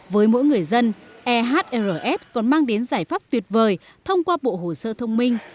với mỗi người dân ehrs còn mang đến giải pháp tuyệt vời thông qua bộ hồ sơ thông minh